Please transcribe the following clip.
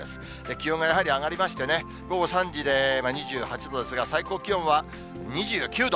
気温がやはり上がりましてね、午後３時で２８度ですが、最高気温は２９度。